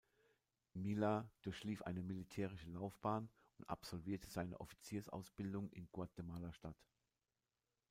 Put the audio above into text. Milla durchlief eine militärische Laufbahn und absolvierte seine Offiziersausbildung in Guatemala-Stadt.